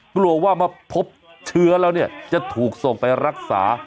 กลัวว่ามาพบเชื้อแล้วเนี่ยจะถูกส่งไปรักษา